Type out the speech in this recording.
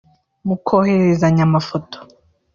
mukohererezanya amafoto